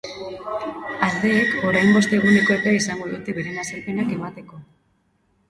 Aldeek orain bost eguneko epea izango dute beren azalpenak emateko.